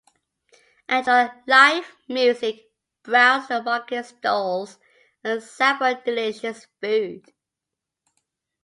Enjoy live music, browse the market stalls, and sample delicious food.